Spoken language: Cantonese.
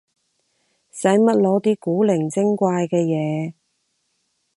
使乜攞啲古靈精怪嘅嘢